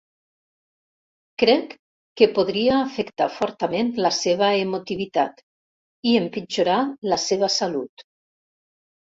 Crec que podria afectar fortament la seva emotivitat i empitjorar la seva salut.